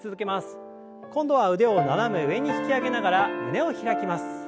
今度は腕を斜め上に引き上げながら胸を開きます。